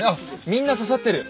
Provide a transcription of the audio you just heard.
みんな刺さってる。